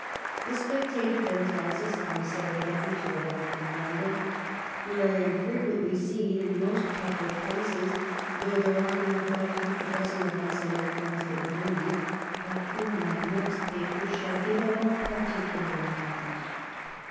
' The Spectator ' then tells us how he settled down to life in London, ' where I am frequently seen in most public places, though there are not above half a dozen of my select friends that know me ; of whom my next paper shall give a more particular account.'